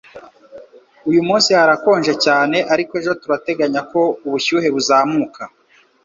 Uyu munsi harakonje cyane, ariko ejo turateganya ko ubushyuhe buzamuka.